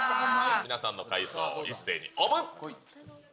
皆さんの回答、一斉にオープン。